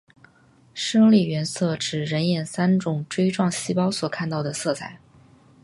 生理原色指人眼三种锥状细胞所看到的色彩。